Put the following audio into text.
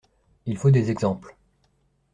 Il faut des exemples.